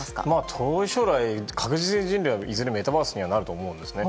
遠い将来、確実に人類はいずれメタバースになると思うんですね。